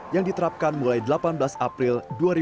yang diterapkan mulai delapan belas april dua ribu dua puluh